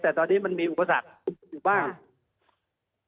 แต่ตอนนี้มันมีอุปสรรคคุมอยู่บ้าง